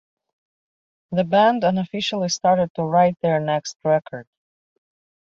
The band unofficially started to write their next record.